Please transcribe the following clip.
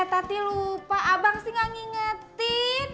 tadi lupa aku sih nggak ngingetin